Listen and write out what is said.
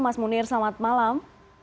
mas munir selamat malam